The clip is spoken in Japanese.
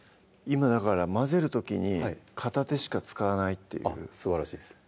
今だから混ぜる時に片手しか使わないっていうすばらしいです